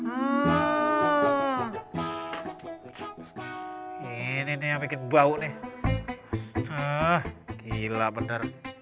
oke udah mangkuk aja